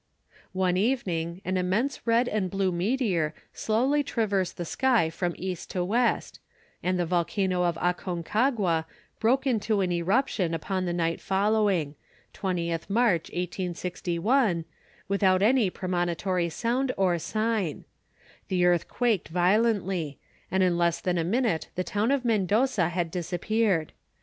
] "One evening, an immense red and blue meteor slowly traversed the sky from East to West, and the volcano of Aconcagua broke into an eruption upon the night following 20th March, 1861 without any premonitory sound or sign: the earth quaked violently, and in less than a minute the town of Mendoza had disappeared.